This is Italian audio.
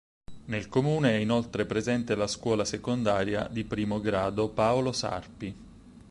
Nel comune è inoltre presente la scuola secondaria di primo grado "Paolo Sarpi".